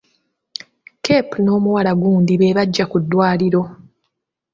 Cape n'omuwala gundi beebajja ku ddwaliro.